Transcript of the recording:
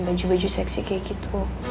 baju baju seksi kayak gitu